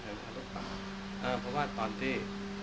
เออเพราะว่าตอนที่